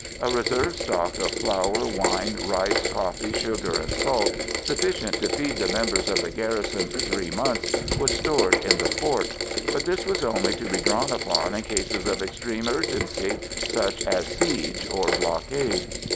A reserve stock of flour, wine, rice, coffee, sugar and salt, sufficient to feed the members of the garrison for three months, was stored in the fort; but this was only to be drawn upon in cases of extreme urgency, such as siege or blockade.